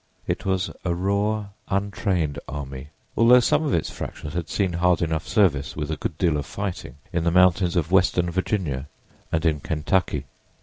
It was a raw, untrained army, although some of its fractions had seen hard enough service, with a good deal of fighting, in the mountains of Western Virginia, and in Kentucky.